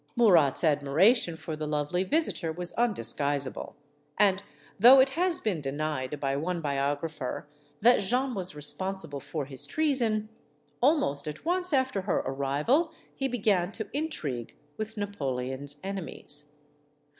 Murat's admiration For the lovely visitor was undisguisable. And though it has been denied by one biographer that Jeanne was responsible for his treason almost at once after her arrival, he began to intrigue with Napoleon's enemies.